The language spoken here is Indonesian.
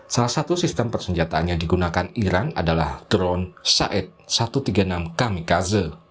salah satu sistem persenjataan yang digunakan iran adalah drone said satu ratus tiga puluh enam kamicase